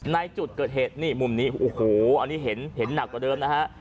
ในจุดเกิดเหตุนี่มุมนี้โอ้โหอันนี้เห็นหนักกว่าเดิมนะฮะ